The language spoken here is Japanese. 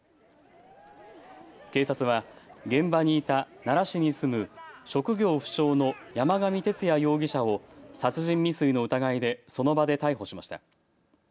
警察は現場にいた奈良市に住む職業不詳の山上徹也容疑者を殺人未遂の疑いでその場で逮捕しました。